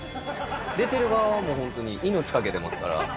出てる側はもう本当に命懸けてますから。